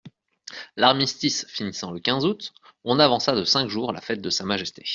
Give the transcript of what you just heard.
L'armistice finissant le quinze août, on avança de cinq jours la fête de Sa Majesté.